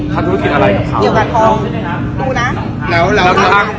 ข้าธุรกิจอะไรกับเขา